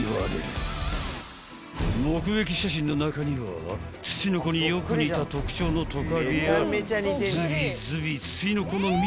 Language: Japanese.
［目撃写真の中にはツチノコによく似た特徴のトカゲやズビズビツチノコのミイラまで］